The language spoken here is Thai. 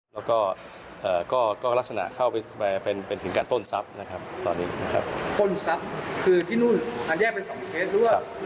แล้วก็ลักษณะเข้าไปเป็นสิ่งการปล้นทรัพย์นะครับตอนนี้นะครับ